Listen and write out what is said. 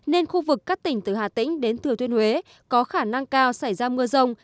nên khu vực các tỉnh từ hà tĩnh đến thừa thiên huế có khả năng cao xảy ra mưa rông